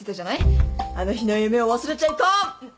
あの日の夢を忘れちゃいかん。